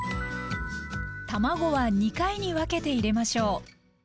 卵は２回に分けて入れましょう。